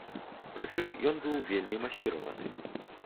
Прычым ён быў вельмі масіраваны.